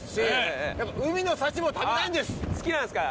あっ好きなんですか？